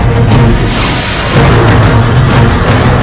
aku tidak mau menilai